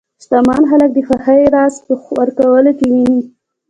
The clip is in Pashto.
شتمن خلک د خوښۍ راز په ورکولو کې ویني.